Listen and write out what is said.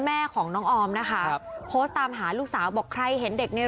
แม่ของน้องออมนะคะครับโพสต์ตามหาลูกสาวบอกใครเห็นเด็กเนี่ย